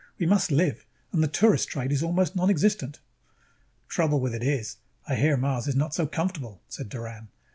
We must live, and the tourist trade is almost nonexistent." "Trouble with it is, I hear Mars is not so comfortable," said Doran.